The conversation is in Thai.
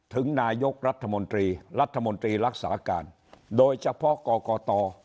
ถึงนายกรัฐมนตรีรัฐมนตรีรักษาการโดยเฉพาะกกต